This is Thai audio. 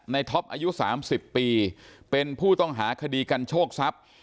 ท็อปอายุ๓๐ปีเป็นผู้ต้องหาคดีกันโชคทรัพย์